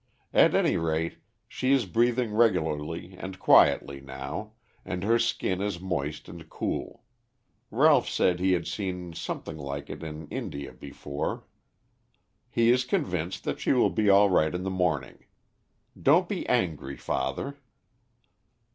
"At any rate, she is breathing regularly and quietly now, and her skin is moist and cool. Ralph said he had seen something like it in India before. He is convinced that she will be all right in the morning. Don't be angry, father."